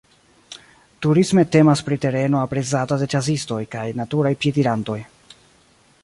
Turisme temas pri tereno aprezata de ĉasistoj kaj naturaj piedirantoj.